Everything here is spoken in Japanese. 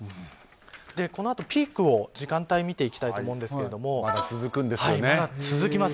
このあとピークの時間帯を見ていきたいと思うんですがまだ続きます。